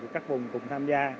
của các vùng cùng tham gia